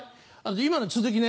今の続きね